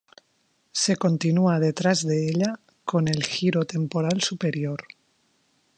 Se continúa detrás de ella con el giro temporal superior.